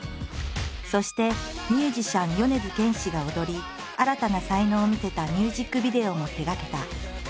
そしてミュージシャン米津玄師が踊り新たな才能を見せたミュージックビデオも手がけた。